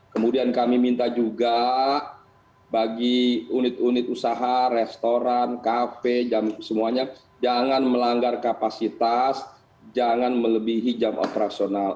kemudian kami minta juga bagi unit unit usaha restoran kafe semuanya jangan melanggar kapasitas jangan melebihi jam operasional